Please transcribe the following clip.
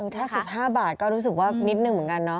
ถ้า๑๕บาทก็รู้สึกว่านิดนึงเหมือนกันเนาะ